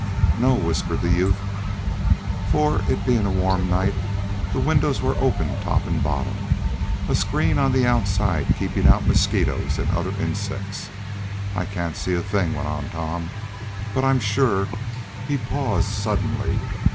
"No," whispered the youth, for it being a warm might, the windows were open top and bottom, a screen on the outside keeping out mosquitoes and other insects. "I can't see a thing," went on Tom, "but I'm sure " He paused suddenly.